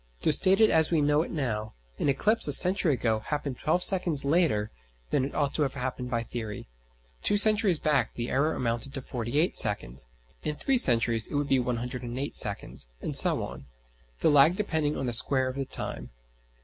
To state it as we know it now: An eclipse a century ago happened twelve seconds later than it ought to have happened by theory; two centuries back the error amounted to forty eight seconds, in three centuries it would be 108 seconds, and so on; the lag depending on the square of the time.